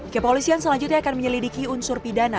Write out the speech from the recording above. kepolisian selanjutnya akan menyelidiki unsur pidana